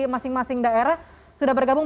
masing masing daerah sudah bergabung